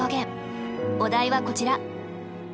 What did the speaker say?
お題はこちら。